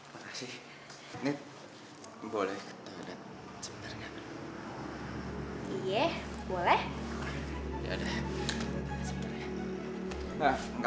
makasih ini boleh kita lihat sebentar enggak